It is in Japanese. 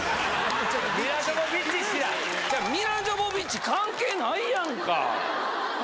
ミラ・ジョヴォヴィッチ関係ないやんか！